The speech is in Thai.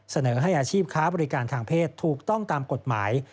เสนอให้อาชีพค้าบริการทางเพศถูกต้องตามกฎหมาย